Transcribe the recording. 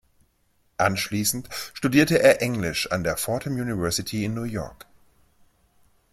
Anschließend studierte er Englisch an der Fordham University in New York.